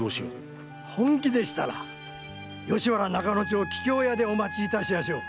本気でしたら吉原仲之町桔梗屋でお待ちいたしましょう。